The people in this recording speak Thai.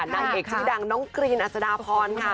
นางเอกชื่อดังน้องกรีนอัศดาพรค่ะ